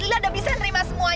lila udah bisa menerima sesuatu